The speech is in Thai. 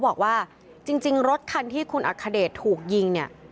บอกว่าจริงรถคันที่คุณอัคเดชถูกยิงเนี่ย